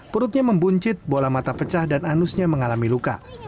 perutnya membuncit bola mata pecah dan anusnya mengalami luka